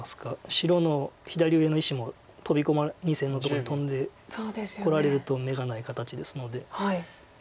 白の左上の石も２線のとこにトンでこられると眼がない形ですので。